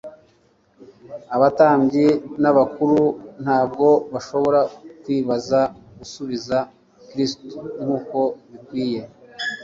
Abatambyi n'abakuru ntabwo bashoboye kwibuza gusubiza Kristo nk’uko bikwiriye,